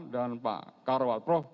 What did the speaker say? dan pak karawat prof